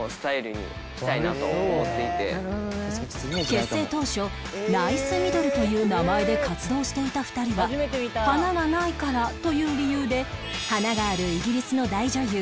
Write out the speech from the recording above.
結成当初ナイスミドルという名前で活動していた２人は華がないからという理由で華があるイギリスの大女優